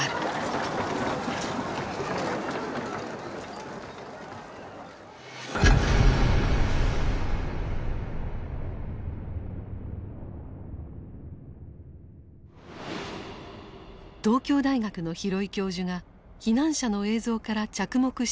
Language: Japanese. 東京大学の廣井教授が避難者の映像から着目した点がある。